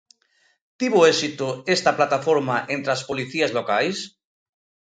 Tivo éxito esta plataforma entre as policías locais?